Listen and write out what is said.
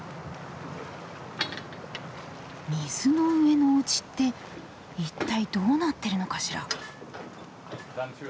水の上のおうちって一体どうなってるのかしら？